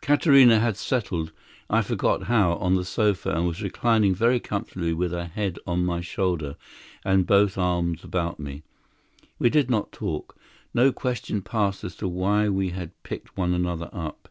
Katarina had settled, I forget how, on the sofa, and was reclining very comfortably with her head on my shoulder and both arms about me. We did not talk. No questions passed as to why we had picked one another up.